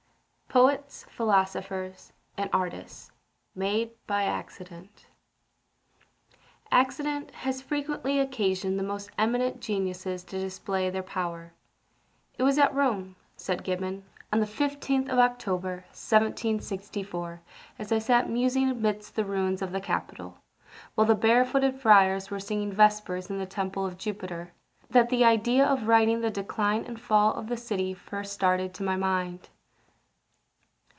POETS, PHILOSOPHERS, AND ARTISTS, MADE BY ACCIDENT. Accident has frequently occasioned the most eminent geniuses to display their powers. "It was at Rome," says Gibbon, "on the 15th of October, 1764, as I sat musing amidst the ruins of the Capitol, while the bare footed friars were singing vespers in the Temple of Jupiter, that the idea of writing the Decline and Fall of the City first started to my mind."